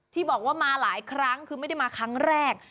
ที่บอกว่ามาหลายครั้งคือไม่ได้มาครั้งแรก